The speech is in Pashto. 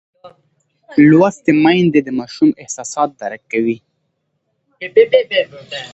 لوستې میندې د ماشوم احساسات درک کوي.